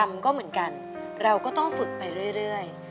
มันก็เหมือนกันเราก็ต้องฝึกไปเรื่อย